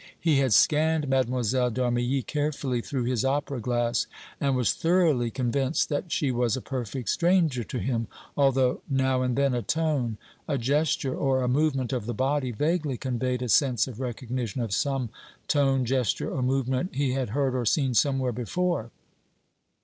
He had scanned Mlle. d' Armilly carefully through his opera glass and was thoroughly convinced that she was a perfect stranger to him, although now and then a tone, a gesture or a movement of the body vaguely conveyed a sense of recognition of some tone, gesture or movement he had heard or seen somewhere before.